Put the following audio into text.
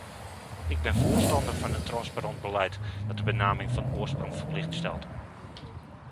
Ik ben voorstander van een transparant beleid dat de benaming van oorsprong verplicht stelt.